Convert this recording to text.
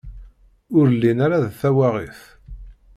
Ur llin ara d tawaɣit.